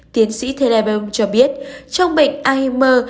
tiến sĩ thelebo cho biết trong bệnh alzheimer